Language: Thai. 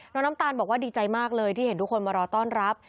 น้ำตาลบอกว่าดีใจมากเลยที่เห็นทุกคนมารอต้อนรับ